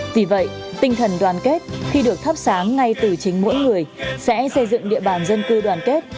vì vậy tinh thần đoàn kết khi được thắp sáng ngay từ chính mỗi người sẽ xây dựng địa bàn dân cư đoàn kết